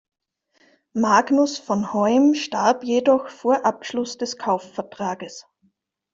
Magnus von Hoym starb jedoch vor Abschluss des Kaufvertrages.